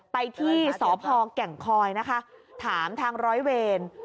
ไปที่สพแก่งคอยนะคะถามทางร้อยเวร